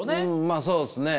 まあそうですね。